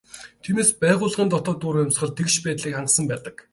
Тиймээс байгууллагын дотоод уур амьсгал тэгш байдлыг хангасан байдаг.